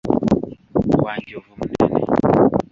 Wanjovu munene.